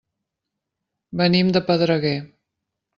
Venim de Pedreguer.